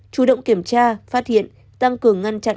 chủ động kiểm tra phát hiện tăng cường ngăn chặn